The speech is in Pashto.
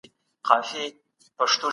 ما د خپلي خاطرې کتابچه وموندله.